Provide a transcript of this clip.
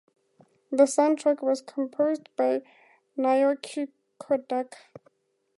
The soundtrack was composed by Naoki Kodaka.